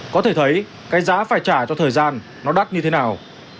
có thể thấy cái giá phải trả cho thời gian nó đắt như thế nào